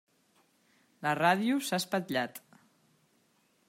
La ràdio s'ha espatllat.